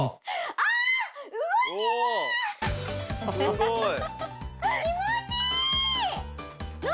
すごい。何？